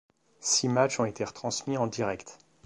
Six matchs ont été retransmis en direct.